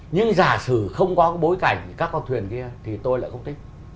nhưng giả sử không có bối cảnh các con thuyền kia thì tôi lại không thích